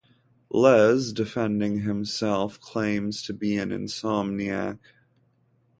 Les, defending himself, claims to be an insomniac.